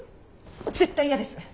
絶対嫌です！